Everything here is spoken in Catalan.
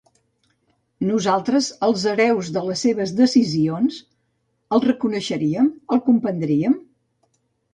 Nosaltres, els hereus de les seves decisions; el reconeixeríem, el comprendríem?